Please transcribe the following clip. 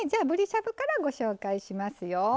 ぶりしゃぶからご紹介します。